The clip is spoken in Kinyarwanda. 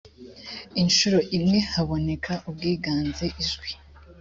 inshuro imwe haboneka ubwiganze ijwi